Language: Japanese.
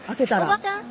おばちゃん！